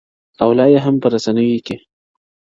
• او لا یې هم، په رسنیو کي -